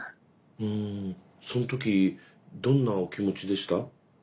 うんその時どんなお気持ちでした？